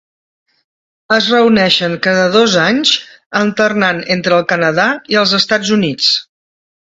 Es reuneixen cada dos anys, alternant entre el Canadà i els Estats Units.